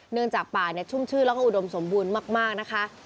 เนื่องจากป่าชุ่มชื่นแล้วก็อุดมสมบูรณ์มากนะคะ